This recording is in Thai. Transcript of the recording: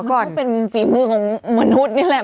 ก็เป็นฝีมือของมนุษย์นี่แหละ